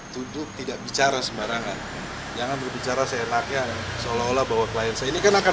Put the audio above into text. duduk tidak bicara sembarangan jangan berbicara seenaknya seolah olah bahwa klien saya ini kan akan